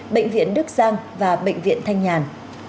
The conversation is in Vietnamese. bệnh viện đức giang và bệnh viện thanh nhàn